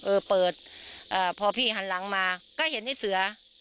เอออ่าพอพี่หันหลังมาก็เห็นให้เสือ